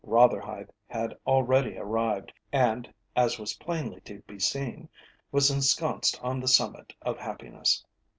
Rotherhithe had already arrived, and, as was plainly to be seen, was ensconced on the summit of happiness.